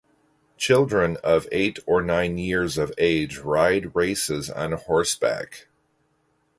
Children of eight or nine years of age ride races on horseback.